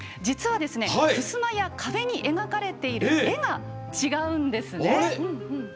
実は、ふすまや壁に描かれている絵が違うんですね。